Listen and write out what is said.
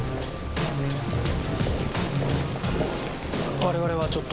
我々はちょっと。